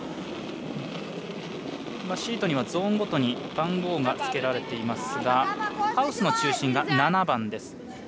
シートにはゾーンごとに番号がつけられていますがハウスの中心が７番です。